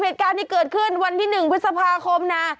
เหตุการณ์ที่เกิดขึ้นวันที่๑พฤษภาคมนะ